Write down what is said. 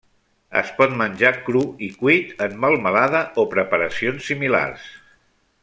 Es pot menjar cru i cuit en melmelada o preparacions similars.